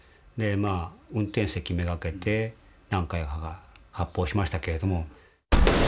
で運転席目がけて何回か発砲しましたけれども。